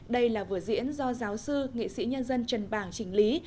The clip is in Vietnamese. đây là vở diễn do giáo sư nghệ sĩ nhân dân trần bảng chỉnh lý